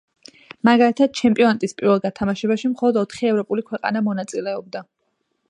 მაგალითად, ჩემპიონატის პირველ გათამაშებაში მხოლოდ ოთხი ევროპული ქვეყანა მონაწილეობდა.